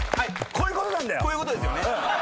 こういうことですよね。